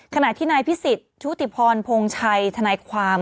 ขณะที่นายพิสิทธิ์ชุติพรพงชัยทนายความ